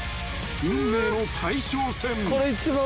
［運命の大将戦］